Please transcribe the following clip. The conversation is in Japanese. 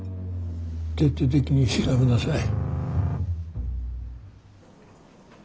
徹底的に調べなさい。